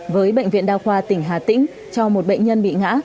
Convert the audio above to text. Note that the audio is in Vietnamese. với bệnh viện đa khoa tỉnh hà tĩnh cho một bệnh nhân bị ngã